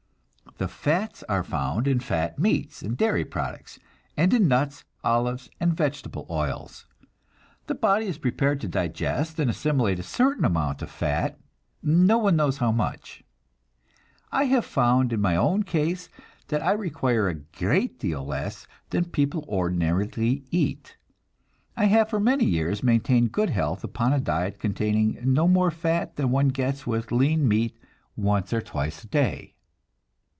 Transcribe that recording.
The fats are found in fat meats and dairy products, and in nuts, olives, and vegetable oils. The body is prepared to digest and assimilate a certain amount of fat, no one knows how much. I have found in my own case that I require a great deal less than people ordinarily eat. I have for many years maintained good health upon a diet containing no more fat than one gets with lean meat once or twice a day.